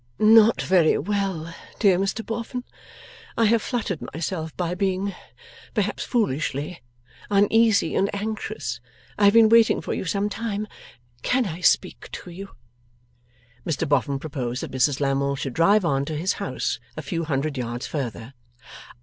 'Not very well, dear Mr Boffin; I have fluttered myself by being perhaps foolishly uneasy and anxious. I have been waiting for you some time. Can I speak to you?' Mr Boffin proposed that Mrs Lammle should drive on to his house, a few hundred yards further.